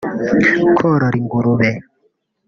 korora ingurube